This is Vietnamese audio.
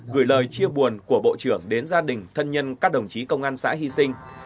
gửi lời chia buồn của bộ trưởng đến gia đình thân nhân các đồng chí công an xã hy sinh